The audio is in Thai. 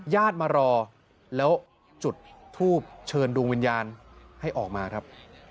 ญาติมารอแล้วจุดทูบเชิญดวงวิญญาณให้ออกมาครับ